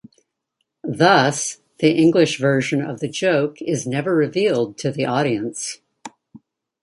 Thus, the English version of the joke is never revealed to the audience.